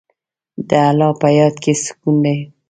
د الله په یاد کې سکون دی.